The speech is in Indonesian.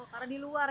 karena di luar ya